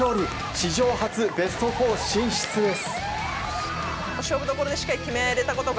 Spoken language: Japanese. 史上初ベスト４進出です。